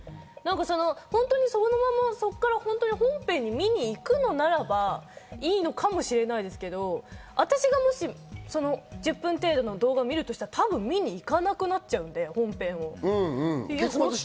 本当にそのままそこから本編を見に行くのならばいいのかもしれないですけど、私がもし１０分程度の動画を見るとしたら多分、見に行かなくなっちゃうと思うので、本編を。